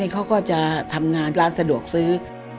เขาก็จะทำงานร้านสะดวกซื้อ